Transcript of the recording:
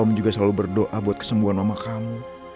om juga selalu berdoa buat kesembuhan nama kamu